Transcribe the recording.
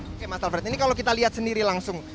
oke mas alfred ini kalau kita lihat sendiri langsung